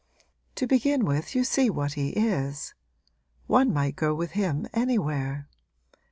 To begin with you see what he is. One might go with him anywhere.